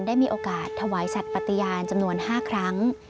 ได้มีโอกาสถวายสัตว์ปฏิญาณจำนวน๕ครั้ง